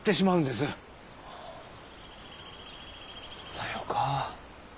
さよか。